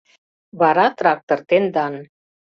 Вара трактор тендан